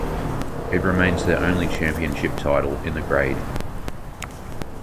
It remains their only championship title in the grade.